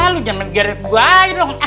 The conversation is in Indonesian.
lalu jangan geret gue dong